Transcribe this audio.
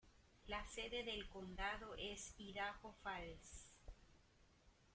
La sede del condado es Idaho Falls.